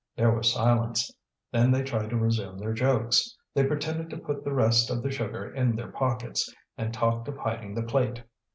There was silence. Then they tried to resume their jokes: they pretended to put the rest of the sugar in their pockets, and talked of hiding the plate.